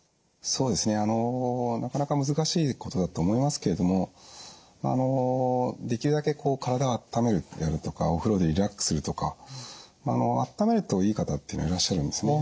そうですねあのなかなか難しいことだと思いますけれどもまああのできるだけ体をあっためるであるとかお風呂でリラックスするとかまああのあっためるといい方っていうのはいらっしゃるんですね。